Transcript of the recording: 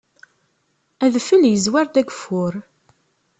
Adfel yezwar-d ageffur.